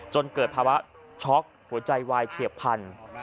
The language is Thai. จนเกิดภาวะช็อกหัวใจวายเฉียบพันธุ์